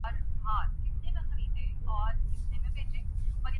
اس میں کچھ جان تو ہے۔